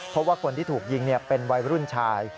เพราะว่าคนที่ถูกยิงเป็นวัยรุ่นชาย